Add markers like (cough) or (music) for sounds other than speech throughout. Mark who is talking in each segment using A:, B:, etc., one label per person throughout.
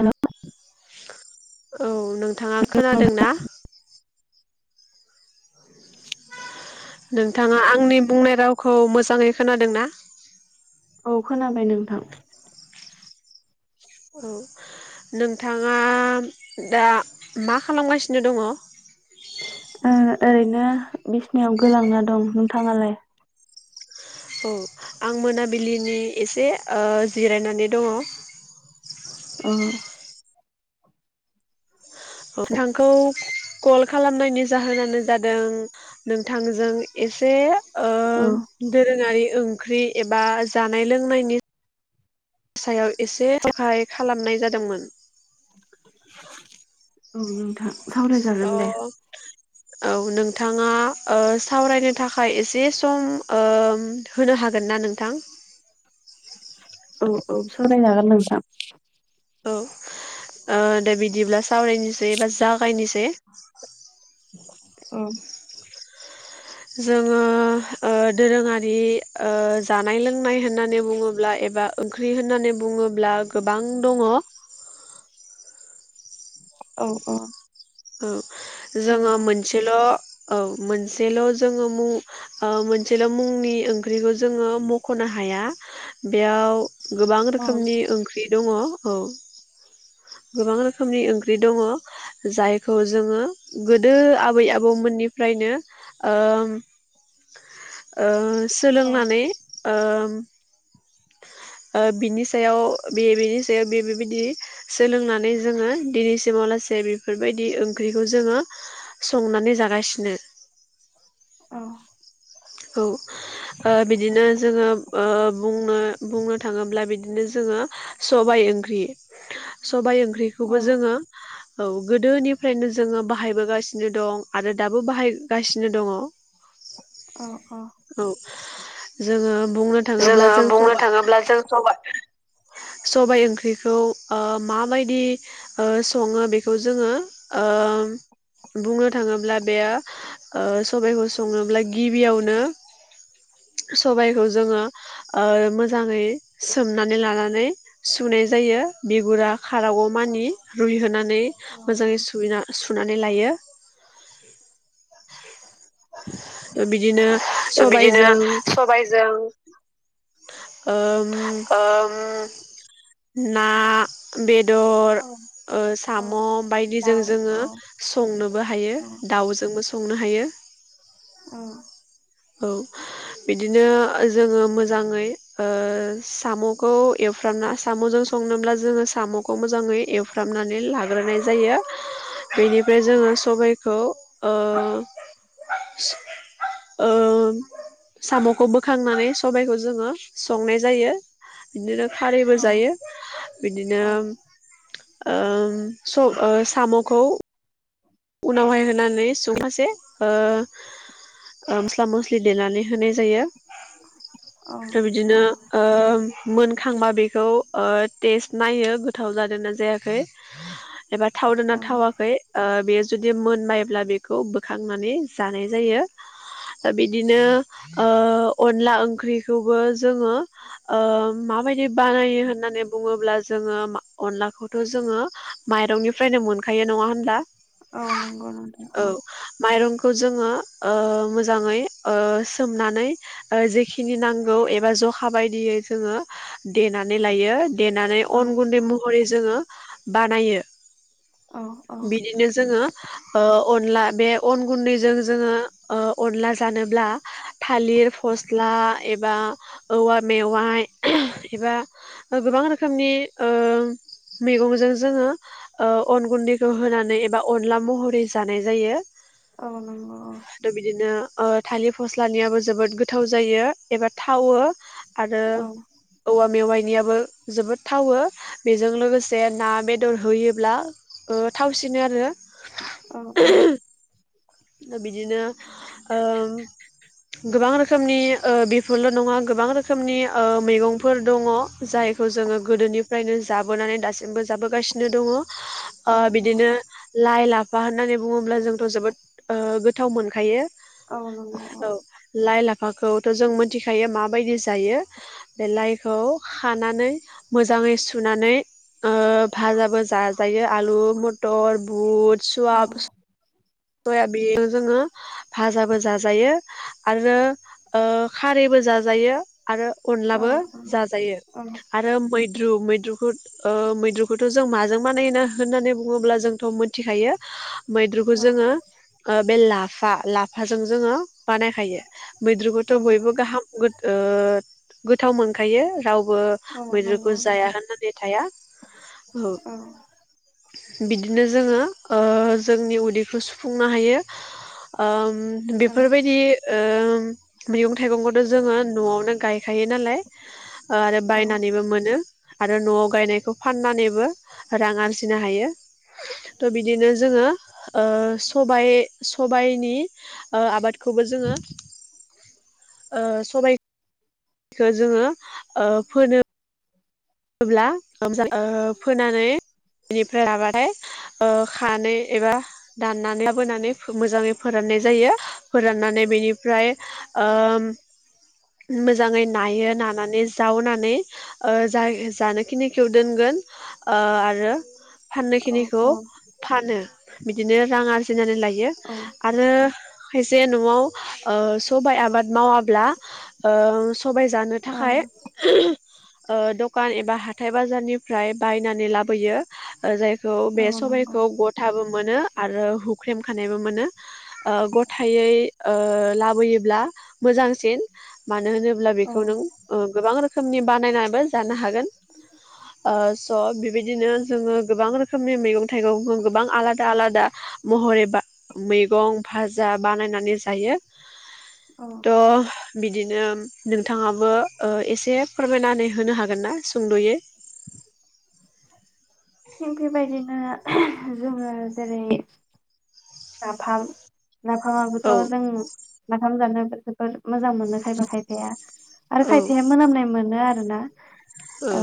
A: हेल'
B: औ नोंथाङा खोनादों ना नोंथाङा आंनि बुंनाय रावखौ मोजाङै खोनादों ना
A: औ खोनाबाय नोंथां
B: औ नोंथाङा दा मा खालामगासिनो दङ
A: ओ ओरैनो बिसिनायाव गोलांना दं नोंथाङालाय
B: औ आं मोनाबिलिनि एसे ओ‌ जिरायनानै दङ
A: अ
B: नोंथांखौ कल खालामनायनि जाहोनानो जादों नोंथांजों एसे ओ
A: औ
B: दोरोङारि ओंख्रि एबा जानाय लोंनायनि सायाव एसे सहाय खालामनाय जादोंमोन।
A: औ नोंथां। सावरायजागोन दे।
B: अ औ नोंथाङा ओ सावरायनो थाखाय एसे सम ओ होनो हागोन ना नोंथां?
A: औ औ सावरायजागोन नोंथां।
B: औ आ दे बि दिब्ला सावरायनोसै एबा जागायनोसै।
A: औ
B: जोङो ओ दोरोङारि ओ जानाय लोंनाय होननानै बुङोब्ला एबा ओंख्रि होननानै बुङोब्ला गोबां दङ'।
A: औ औ
B: औ जोङो
A: नंगौ
B: मोनसेल' औ मोनसेल जोङो मुं ओ मोनसेल' मुंनि ओंख्रिखौ जोङो मख'नो हाया बेयाव गोबां
A: औ
B: रोखोमनि ओंख्रि दङ'। औ गोबां रोखोमनि ओंख्रि दङ' जायखौ जोङो गोदो आबै आबौमोननिफ्रायनो ओ ओ सोलोंनानै ओ ओ बिनि सायाव बे बेनि सायाव बे बेबायदि सोलोंनानै जोङो दिनैसिमाव लासै बेफोरबायदि ओंख्रिखौ जोङो संनानै जागासिनो।
A: औ
B: औ ओ बिदिनो जोङो ओ बुंनो बुंनो थाङोब्ला बिदिनो जोङो सबाय ओंख्रि, सबायाइ
A: औ
B: ओंख्रिखौबो
A: औ
B: जोङो औ गोदोनिफ्रायनो जोङो बाहायबोगासिनो दं आरो दाबो बाहायगासिनो दङ'
A: अ
B: औ जोङो बुंनो थाङोब्ला
A: जोङो
B: जों
A: बुंनो
B: सबाइ
A: थाङोब्ला जों सबाइ
B: सबाइ ओंख्रिखौ ओ माबायदि ओ सङो बेखौ जोङो ओ बुंनो थाङोब्ला बेयो ओ सबाइखौ सङोब्ला गिबियावनो सबाइखौ जोङो ओ मोजाङै सोमनानै लानानै सुनाय जायो बिगुरा खारागौ मानि रुइहोनानै मोजाङै सुय सुना नै लायो।
A: (unintelligible)
B: बिदिनो
A: बिदिनो
B: सबायजों
A: सबायजों ओम। (inaudible)
B: ना बेदर।
A: औ
B: बेदर ओ
A: औ
B: साम' बायदिजों
A: दाउ
B: जोङो
A: औ
B: संनोबो हायो
A: औ
B: दाउजोंबो संनो। संनो हायो।
A: औ।
B: औ बिदिनो जोङो मोजाङै ओ साम'खौ एवफ्रामना साम'जों संनोब्ला जोङो साम'खौ मोजाङै एवफ्रामनानै लाग्रोनाय जायो बेनिफ्राय जोङो सबायखौ ओ। ओ साम'खौ बोखांनानै सबायखौ जोङो संनाय जायो बिदिनो। खारैबो
A: औ
B: जायो बिदिनो।
A: औ
B: ओम। स साम'खौ। उनावहाय होनानै (unintelligible) ओ मस्ला मस्लि देनानै होनाय जायो।
A: औ
B: दा बिदिनो ओम। मोनखांबा बेखौ ओ टेस्ट नायो। गोथाव जादोंना जायाखै एबा थावदोंना
A: औ
B: थावाखै। जुदि मोनबायब्ला बेखौ बोखांनानै जानाय जायो दा बिदिनो ओ अनला ओंख्रिखौबो जोङो ओ माबायदि बानायो होननानै बुङोब्ला जोङो अनलाखौथ' जोङो माइरंनिफ्रायनो मोनखायो नङा होनब्ला।
A: औ नंगौ नोंथां औ।
B: खौ जोङो ओ मोजाङै ओ सोमनानै ओ जेखिनि नांगौ एबा जखा बायदियै जोङो देनानै लायो। देनानै
A: औ
B: अन गुन्दै महरै। जोङो बानायो।
A: औ औ
B: बिदिनो जोङो। ओ अनला बे अन गुन्दैजों जोङो ओ अनला जानोब्ला थालिर फस्ला एबा औवा मेवाय एबा गोबां रोखोमनि ओ मैगंजों जोङो ओ अन गुन्दै। रुहोनानै एबा अनला महरै जानाय जायो।
A: औ नंगौ औ।
B: आरो बिदिनो ओ थालिर फस्लानियाबो जोबोद गोथाव जायो एबा थावो। आरो
A: औ
B: औवा मेवाइ। ननियाबो जोबोद थावो बेजों लोगोसे ना बेदर होयोब्ला। ओ थावसिनो आरो।
A: औ औ।
B: बिदिनो ओ गोबां रोखोमनि ओ बेफोरल' नङा गोबां रोखोमनि ओ मैगंफोर दङ जायखौ जोङो गोदोनिफ्रायनो जाबोनानै दासिमबो जाबोगासिनो दङ। ओ
A: औ
B: बिदिनो लाइ लाफा। बा होननानै बुङोब्ला जोंथ' जोबोद। ओ। गोथाव मोनखायो
A: औ नंगौ
B: औ लाइ लाफा। लाफाखौथ' जों मिथिखायो माबायदि जायो बे लाइखौ। खौ खानानै मोजांयै। मोजाङै सुनानै ओ भाजाबो जाजायो आलु मथर बुट
A: औ
B: सुवाब सयाबिन जोङो भाजाबो जाजायो आरो ओ खारैबो जाजायो आरो
A: औ
B: अनलाबो जाजायो
A: औ
B: आरो मै मैद्रु मैद्रुखौ ओ मैद्रुखौथ' जों माजों बानायनो होननानै बुङोब्ला जोंथ' मिथिखायो मैद्रु
A: औ
B: जोङो बे लाफा लाफा लाफाजों जोङो बानायखायो मैद्रुखौथ'
A: औ
B: बयबो गाहाम ओ गोथाव मोनखायो रावबो
A: औ
B: मैद्रुखौ
A: नंगौ
B: जाया
A: नोंथां
B: होननानै थाया औ बिदिनो जोङो ओ जोंनि उदै खौ सुफुंनो हायो ओम
A: औ
B: बेफोरबायदि ओ मैगं थाइगंखौथ' जोङो न'आवनो गायखायो नालाय आरो बायनानैबो मोनो आरो आरो न'आव गायनायखौ फाननानैबो रां आरजिनो हायो त' बिदिनो जोङो ओ सबाय सबायाइनि ओ आबादखौबो जोङो ओ सबाय स जोङो ओ फोनो होब्ला (unintelligible) फोनानै बेनिफ्राय राबाथाय ओ खानानै एबा दाननानै लाबोनानै मोजाङै फोराननाय जायो फोराननानै बेनिफ्राय ओम मोजाङै नायो नानानै जावनानै जाय जानोखिनिखौ दोनगोन ओ आरो फाननाय
A: औ
B: खिनिखौ
A: औ
B: फानो बिदिनो रां आरजिनानै लायो
A: औ
B: आरो खायसे न'आव ओ सबाइ आबाद मावाब्ला ओ सबाय जानो थाखाय (unintelligible) ओ दुखान एबा हाथाय बाजारनिफ्राय बायनानै लाबोयो जाय खौ बे
A: औ नंगौ
B: सबायखौ गथाबो मोनो आरो हुख्रेम खानायबो मोनो ओ गथायै ओ लाबोयोब्ला मोजांसिन मा मानो होनोब्ला
A: औ
B: बेखौ नों ओ गोबां रो रोखोमनि बानायनाबो जानो हागोन ओ स' बिबायदिनो जोङो गोबां रोखोमनि मैगं थाइगंखौ गोबां आलादा आलादा महरै बा मैगं भाजा बानायनानै जायो
A: औ
B: त' बिदिनो नोंथाङाबो ओ एसे फोरमायनानै होनो हागोन गोनना सुंद'यै
A: थिग बेबायदिनो (unintelligible) जोंङो जेरै नाफाम नाफामाबोथ'
B: औ
A: जों ओंखाम जानो आरो
B: औ
A: खायफाया मोनामनाय मोनो आरो (unintelligible) औ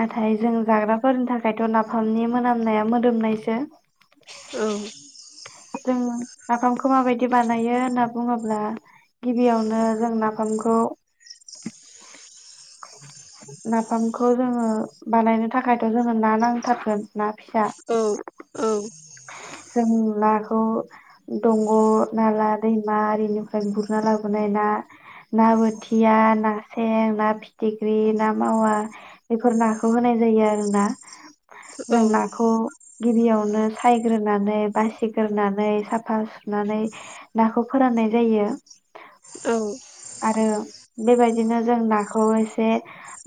A: नाथाय जों जाग्राफोरनि थाखायथ' नाफामनि मोनामनाया मोदोमनायसो
B: औ
A: जोंङो नाफामखौ माबायदि बानायो होनना बुङोब्ला गिबियावनो जों नाफामखौ नाफामखौ जोङो बानायनो थाखायथ' जोङो ना नांथारगोन। ना फिसा
B: औ औ
A: जों नाखौ दंग' नाला दैमा आरिनिफ्राय गुरना लाबोनाय ना ना बोथिया ना सें ना फिथिग्रि ना मावा बेफोर नाखौ होनाय जायो आरो ना
B: औ
A: जों नाखौ गिबियावनो सायग्रोनानै बासिगोरनानै साफा सुनानै नाखौ फोराननाय जायो।
B: औ
A: आरो बेबायदिनो जों नाखौ एसे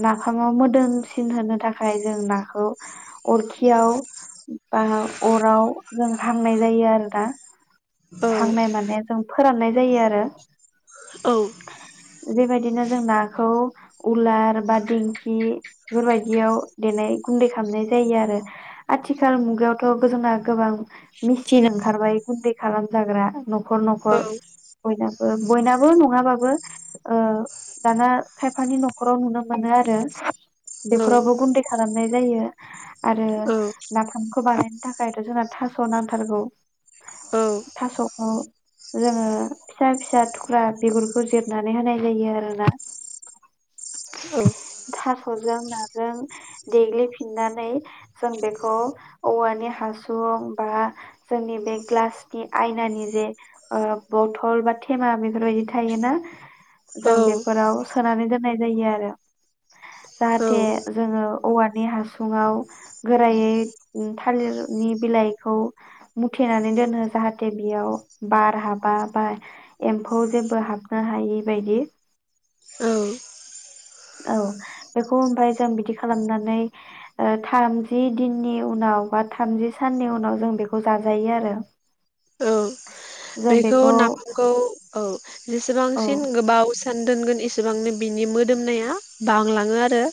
A: नाफामाव मोदोमसिन होनो थाखाय जों नाखौ अरखियाव बा अराव जों हांनाय जायो आरोना।
B: औ
A: हांनाय माने जों फोराननाय जायो आरो
B: औ
A: बेबायदिनो जों नाखौ उलार बा दिंखि बेफोरबायदियाव देनाय गुन्दै खालामनाय जायो आरो आथिखाल मुगायावथ' जोंना गोबां मेचिन ओंखारबाय गुन्दै खालामजाग्रा। न'खर
B: औ
A: न'खर बयनाबो बयनाबो नङाबाबो ओ दाना खायफानि न'खराव नुनो मोनो आरो बेफोरावबो गुन्दै खालाम नाय जायो आरो
B: औ
A: नाफामखो बानायनो थाखायथ' जोंना थास' नांथारगौ
B: औ
A: थास'खौ जोङो फिसा फिसा थुख्रा बिगुरखौ जिरनानै होनाय जायो आरोना
B: औ
A: थास'जों नाजों देग्लिफिननानै जों बेखौ औवानि हासुं बा जोंनि बे ग्लासनि आयनानि जे ओ बथल बा थेमा बेफोरबायदि थायोना
B: औ
A: जों बेफोराव सोनानै दोननाय जायो आरो जाहाथे जोङो औवानि हासुङाव गोरायै थालिरनि बिलाइखौ मुथेनानै दोनो जाहाथे बेयाव बार हाबा बा एम्फौ जे बो हाबनो हायै बायदि।
B: औ
A: औ बेखौ ओमफ्राय जों बिदि खालामनानै ओ थामजि दिननि उनाव बा थामजि साननि उनाव जों बेखौ जाजायो आरो
B: औ बेखौ नाफामखौ औ
A: औ
B: जेसेबांसिन गोबाव सान दोनगोन एसेबांनो बिनि मोदोमनाया बांलाङो आरो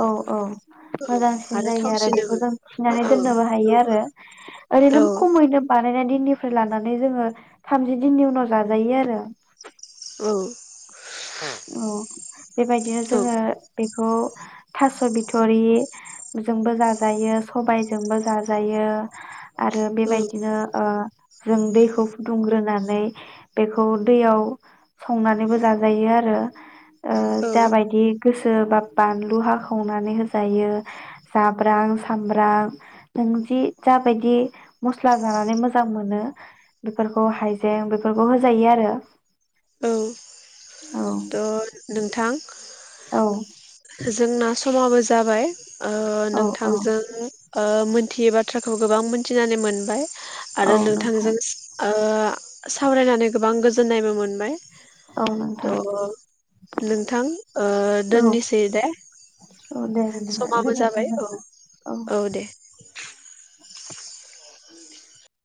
A: औ औ
B: औ
A: मोजांसिन जायो आरो बेखौ
B: थावसिनोबो
A: जों थिनानै
B: औ
A: दोननोबो हायो आरो
B: औ
A: ओरैनो खमैनो बानायनानै दिन निफ्राय लानानै जोङो थामजि दिननि उनाव जाजायो आरो
B: औ
A: औ । बेबायदिनो जोङो बे बेखौ थास बिथरि जोंबो जाजायो सबायजोंबो जाजायो । आरो बेबायदिनो ओ जों दैखौ फुदुंग्रोनानै बेखौ दैयाव संनानैबो जाजायो आरो । ओ । ओ
B: औ
A: जाबायदि गोसो बा बानलु हाखावनानै होजायो जाब्रां सामब्रां नों जि जाबायदि मस्ला जानानै मोजां मोनो बेफोरखौ हाइजें बेफोरखौ होजायो आरो ।
B: औ । द नों थां थां ।
A: औ
B: जोंना समाबो जाबाय । ओ
A: औ औ
B: नोंथांजों । ओ मोनथियै बाथ्राखौ गोबां मोनथिनानै मोनबाय ।
A: औ
B: आरो
A: नोंथां
B: नोंथांजों ओ सावरायनानै गोबां गोजोननायबो मोनबाय
A: औ
B: ।
A: नोंथां
B: त नोंथां ओ
A: औ
B: दोननिस । दे दे
A: औ दे बिदिब्ला
B: समाबो
A: गोजोनथों
B: जाबाय औ
A: नोंथां
B: औ दे । (inaudible)